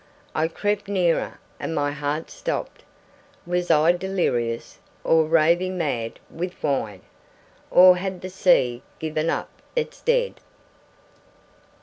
I crept nearer, and my heart stopped. Was I delirious, or raving mad with wine? Or had the sea given up its dead?